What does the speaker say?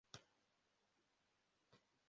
Umwana mu kiyaga